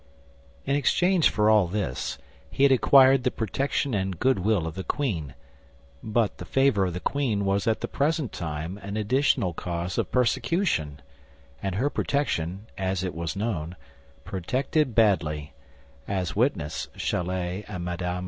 In exchange for all this, he had acquired the protection and good will of the queen; but the favor of the queen was at the present time an additional cause of persecution, and her protection, as it was known, protected badly—as witness Chalais and Mme.